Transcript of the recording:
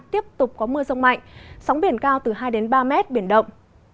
tiếp tục có mưa giông mạnh sóng biển cao từ hai ba mét biển động